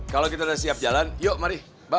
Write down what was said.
kalau kita udah siap jalan yuk mari